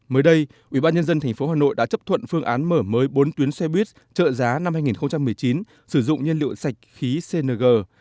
mới đây ubnd tp hà nội đã chấp thuận phương án mở mới bốn tuyến xe buýt trợ giá năm hai nghìn một mươi chín sử dụng nhiên liệu sạch khí cng